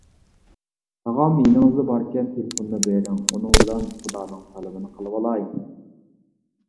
تاغام يېنىڭىزدا باركەن، تېلېفوننى بېرىڭ، ئۇنىڭ بىلەن خۇدانىڭ سالىمىنى قىلىۋالاي!